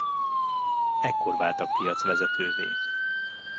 Ekkor váltak piacvezetővé.